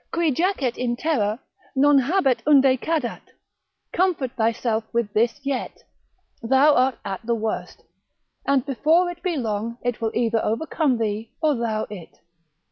Qui jacet in terra, non habet unde cadat; comfort thyself with this yet, thou art at the worst, and before it be long it will either overcome thee or thou it.